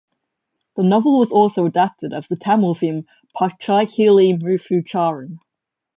The novel was also adapted as the Tamil film Pachaikili Muthucharam.